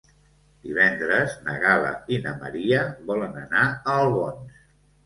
Divendres na Gal·la i na Maria volen anar a Albons.